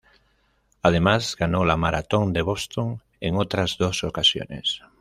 Además, ganó la maratón de Boston en otras dos ocasiones.